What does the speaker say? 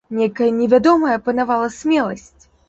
Нейкая невядомая апанавала смеласць.